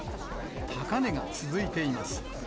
高値が続いています。